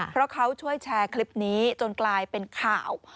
เพราะเขาช่วยแชร์คลิปนี้จนกลายเป็นข่าว